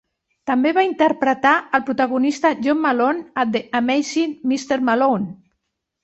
També va interpretar al protagonista John Malone a "The Amazing Mr. Malone".